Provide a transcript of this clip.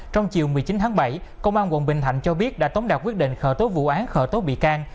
trong chiều một mươi chín tháng bảy công an quận bình thạnh cho biết đã tống đạt quyết định khởi tố vụ án khởi tố bị can